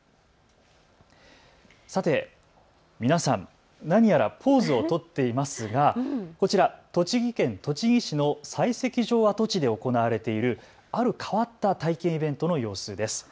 さて皆さん、何やらポーズを取っていますがこちら、栃木県栃木市の採石場跡地で行われているある変わった体験イベントの様子です。